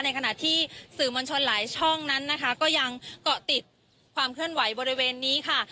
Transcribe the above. ขณะที่สื่อมวลชนหลายช่องนั้นนะคะก็ยังเกาะติดความเคลื่อนไหวบริเวณนี้ค่ะ